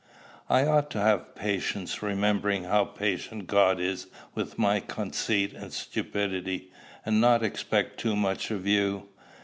I ought to have patience, remembering how patient God is with my conceit and stupidity, and not expect too much of you.